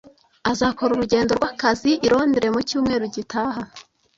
Azakora urugendo rwakazi i Londres mu cyumweru gitaha.